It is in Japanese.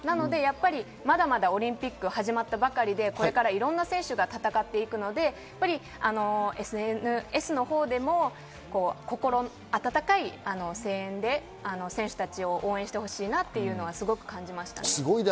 まだまだオリンピック始まったばかりで、これからいろんな選手が戦っていくのでＳＮＳのほうでも温かい声援で、選手たちを応援してほしいなっていうのはすごく感じました。